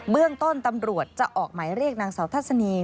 เรื่องต้นตำรวจจะออกหมายเรียกนางสาวทัศนี